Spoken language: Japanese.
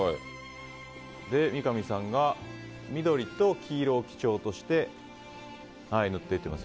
三上さんが緑と黄色を基調として塗っていってます。